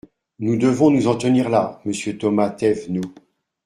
Nous devons nous en tenir là, monsieur Thomas Thévenoud.